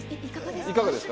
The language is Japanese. いかがですか？